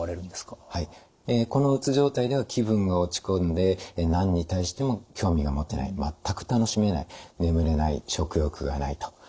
このうつ状態では気分が落ち込んで何に対しても興味が持てない全く楽しめない眠れない食欲がないと。